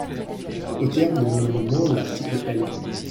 Aux termes de mon amendement, l’article L.